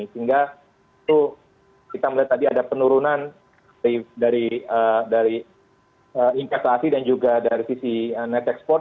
sehingga itu kita melihat tadi ada penurunan dari investasi dan juga dari sisi net export